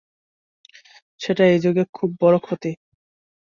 সেটা এই যুগে খুব বড় ক্ষতি।